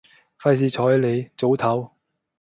費事睬你，早唞